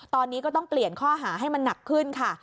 ตอนนี้ก็ต้องเปลี่ยนข้อหาให้มันหนักขึ้นค่ะ